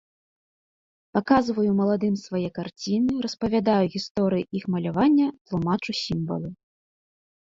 Паказваю маладым свае карціны, распавядаю гісторыі іх малявання, тлумачу сімвалы.